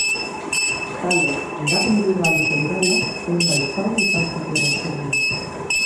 Bestalde, bigarren ibilgailuko gidariak zenbait zauri izan zituen aurpegian.